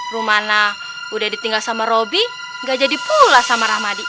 rumahnya udah ditinggal sama robi gak jadi pulas sama ramadhi